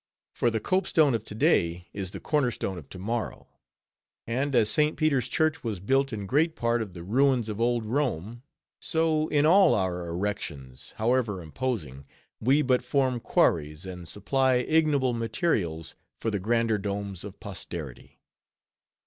For the cope stone of to day is the corner stone of tomorrow; and as St. Peter's church was built in great part of the ruins of old Rome, so in all our erections, however imposing, we but form quarries and supply ignoble materials for the grander domes of posterity.